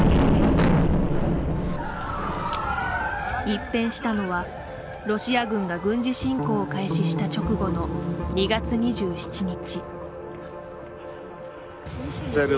一変したのはロシア軍が軍事侵攻を開始した直後の２月２７日。